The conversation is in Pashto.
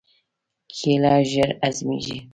کېله ژر هضمېږي.